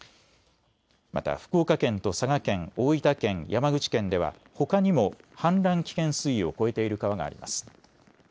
また福岡県と佐賀県、大分県、山口県では、ほかにも氾濫危険水位を超えている川があります。